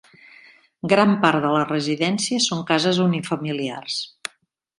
Gran part de les residències són cases unifamiliars.